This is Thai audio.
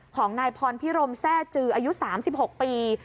ของนายพรพิรมแทร่จืออายุ๓๖ปี